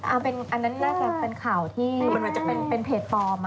อันนั้นน่าจะเป็นข่าวอ๋อเป็นแผดปลอม